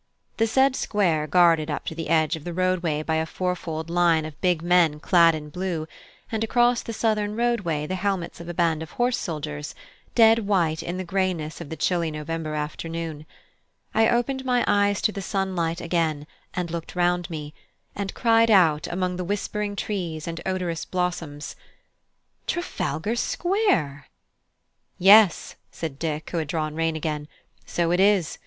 The said square guarded up to the edge of the roadway by a four fold line of big men clad in blue, and across the southern roadway the helmets of a band of horse soldiers, dead white in the greyness of the chilly November afternoon I opened my eyes to the sunlight again and looked round me, and cried out among the whispering trees and odorous blossoms, "Trafalgar Square!" "Yes," said Dick, who had drawn rein again, "so it is.